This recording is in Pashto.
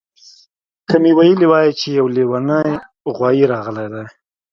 که مې ویلي وای چې یو لیونی غوایي راغلی دی